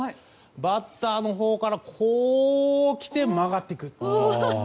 バッターのほうからこうきて、曲がっていくと。